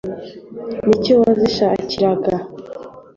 Ni cyo wazishakiraga.